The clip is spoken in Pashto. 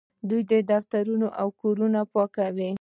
دوی دفترونه او کورونه پاکوي.